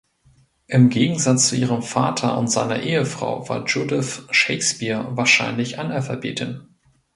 Im Gegensatz zu ihrem Vater und seiner Ehefrau war Judith Shakespeare wahrscheinlich Analphabetin.